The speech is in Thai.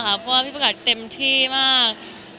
เพราะว่าพี่ประกาศเต็มที่มาก